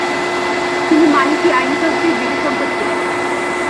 তিনি মালিকি আইনশাস্ত্রের বিশেষজ্ঞ ছিলেন।